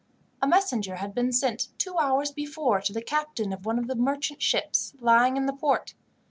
A messenger had been sent, two hours before, to the captain of one of the merchant ships lying in the port.